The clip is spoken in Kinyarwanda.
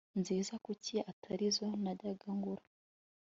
nziza Kuki atari zo najya ngura